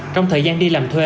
trong thời gian đi làm thuê